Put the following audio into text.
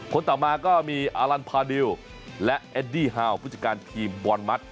ต่อมาก็มีอาลันพาดิวและเอดดี้ฮาวผู้จัดการทีมบอลมัด